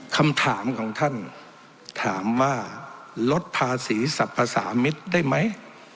คำถามของท่านถามว่าลดภาษีสรรพสามิตรได้ไหม